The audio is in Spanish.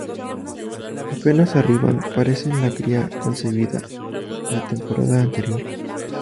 Apenas arriban, paren la cría concebida la temporada anterior.